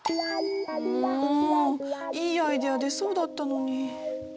もういいアイデア出そうだったのに。